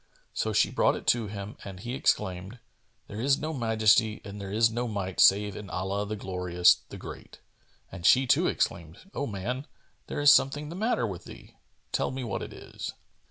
So she brought it to him and he exclaimed, "There is no Majesty and there is no Might save in Allah, the Glorious, the Great!"; and she too exclaimed, "O man, there is something the matter with thee. Tell me what it is."